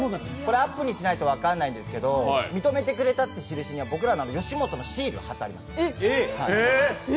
アップにしなきゃ分からないんですけど、認めてくれたということで僕らの吉本のシールが貼ってあります。